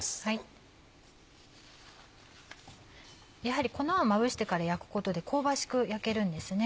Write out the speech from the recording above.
やはり粉をまぶしてから焼くことで香ばしく焼けるんですね